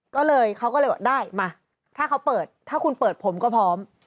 ก็เลยเขาก็เลยบอกได้มาถ้าเขาเปิดถ้าคุณเปิดผมก็พร้อม